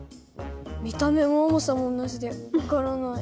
見た目も重さも同じで分からない。